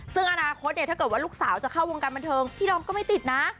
ซึ่งอนาคตเนี่ยถ้าเกิดว่าลูกสาวจะเข้าวงการบันเทิงพี่ดอมก็ไม่ติดนะ